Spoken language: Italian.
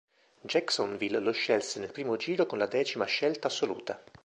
Jacksonville lo scelse nel primo giro con le decima scelta assoluta.